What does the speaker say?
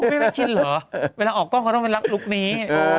ไม่ไปชินเหรอเวลาออกกล้องเขาต้องเป็นรักลุคนี้